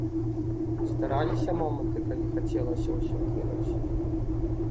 Здараліся моманты, калі хацелася ўсё кінуць?